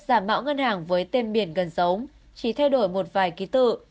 giả mạo ngân hàng với tên biển gần giống chỉ thay đổi một vài ký tự